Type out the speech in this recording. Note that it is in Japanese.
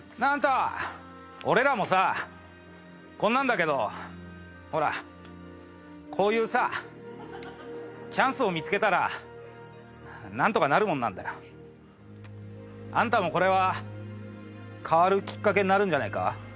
俺らもさこんなんだけどほらこういうさチャンスを見付けたらなんとかなるもんなんだよ。あんたもこれは変わるきっかけになるんじゃねえか？